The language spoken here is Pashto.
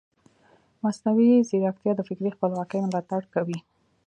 مصنوعي ځیرکتیا د فکري خپلواکۍ ملاتړ کوي.